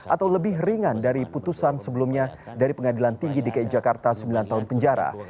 atau lebih ringan dari putusan sebelumnya dari pengadilan tinggi dki jakarta sembilan tahun penjara